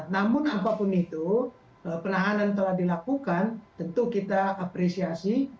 namun apapun itu penahanan telah dilakukan tentu kita apresiasi